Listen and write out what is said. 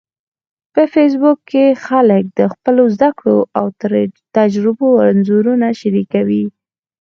په فېسبوک کې خلک د خپلو زده کړو او تجربو انځورونه شریکوي